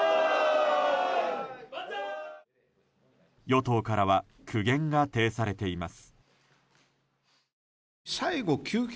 与党からは苦言が呈されています。